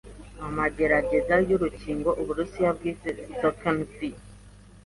Amagerageza y'urukingo Uburusiya bwise Sputnik-V